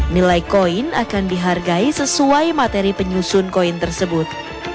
nilai koin akan dihargai sesuai materi penyusun koin tersebut